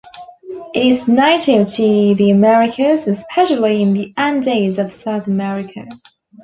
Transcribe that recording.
It is native to the Americas, especially in the Andes of South America.